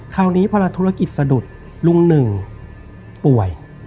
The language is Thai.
คราวนี้พลังธุรกิจสะดุดลุง๑ป่วย